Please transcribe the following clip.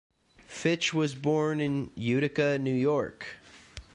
Fitch was born in Utica, New York.